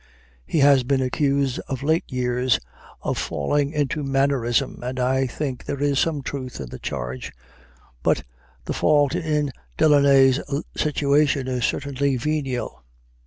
He has been accused of late years of falling into a mannerism, and I think there is some truth in the charge. But the fault in Delaunay's situation is certainly venial.